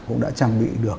cũng đã trang bị được